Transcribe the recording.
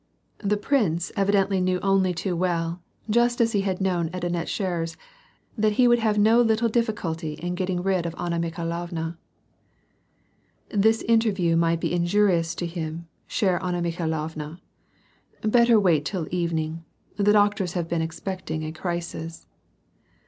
59 The prince evidently knew only too well, just as he had known at Annette Seherer's, that he would have no little difficulty in getting rid of Anna Mikhailovna. ^ "This interview might be very injurious for him, chere Anna Mikhailovna ; better wait till evening ; the doctors have been expecting a crisis."